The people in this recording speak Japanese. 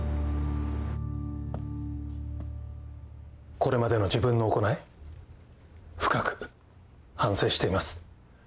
これまでの自分の行い深く反省しています。